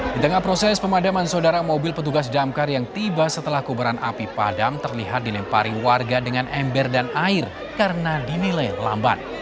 di tengah proses pemadaman saudara mobil petugas damkar yang tiba setelah kubaran api padam terlihat dilempari warga dengan ember dan air karena dinilai lamban